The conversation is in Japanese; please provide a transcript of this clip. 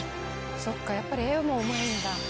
そっかやっぱり絵もうまいんだ。